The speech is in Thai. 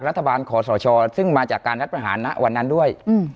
จากรัฐบาลขอสรชอซึ่งมาจากการรัฐประหารวันนั้นด้วย